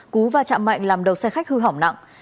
cú và chạm mạnh làm đầu xe khách hư hỏng nặng